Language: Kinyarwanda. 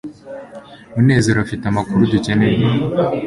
munezero afite amakuru dukeneye